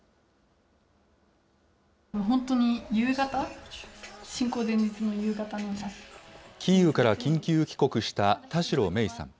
本当に、夕方、キーウから緊急帰国した田代明衣さん。